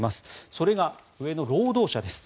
それが上の労働者です。